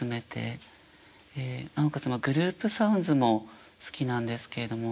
なおかつグループ・サウンズも好きなんですけれども。